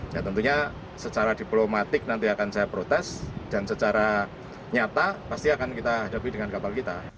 ya tentunya secara diplomatik nanti akan saya protes dan secara nyata pasti akan kita hadapi dengan kapal kita